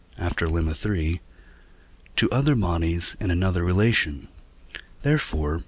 after Lemma iii.) to other bodies in another relation; therefore (II.